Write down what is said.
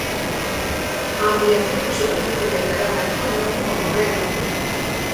Ampliación da superficie declarada actualmente como Rede Natura.